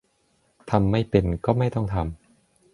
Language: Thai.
ทำไม่เป็น ก็ไม่ต้องทำ